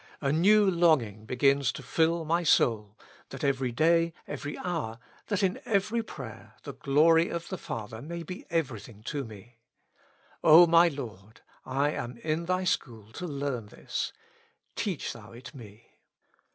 A new longing begins to fill my soul, that every day, every hour, that in every prayer the glory of the Father may be everything to me. O my Lord ! I am in Thy school to learn this : teach Thou it me.